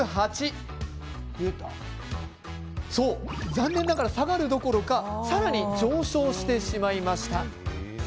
残念ながら下がるどころかさらに上昇してしまいました。